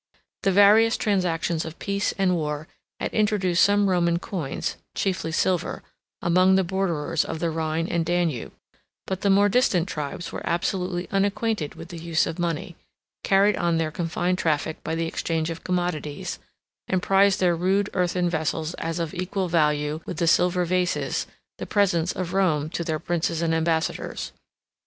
The various transactions of peace and war had introduced some Roman coins (chiefly silver) among the borderers of the Rhine and Danube; but the more distant tribes were absolutely unacquainted with the use of money, carried on their confined traffic by the exchange of commodities, and prized their rude earthen vessels as of equal value with the silver vases, the presents of Rome to their princes and ambassadors.